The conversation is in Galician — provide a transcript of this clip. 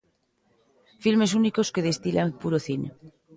Filmes únicos que destilan puro cine.